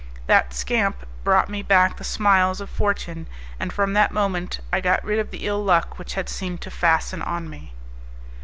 That scamp brought me back the smiles of Fortune, and from that moment I got rid of the ill luck which had seemed to fasten on me.